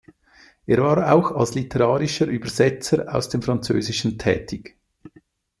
Er war auch als literarischer Übersetzer aus dem Französischen tätig.